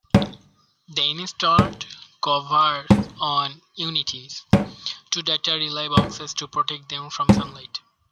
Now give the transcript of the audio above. They installed covers on "Unity"'s two data relay boxes to protect them from sunlight.